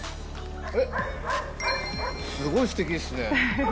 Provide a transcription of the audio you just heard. えっ、すごいすてきですね。